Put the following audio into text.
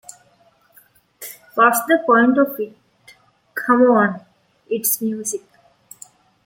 What's the point of it?' C'mon, it's music!